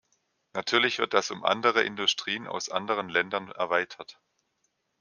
Natürlich wird das um andere Industrien aus anderen Ländern erweitert.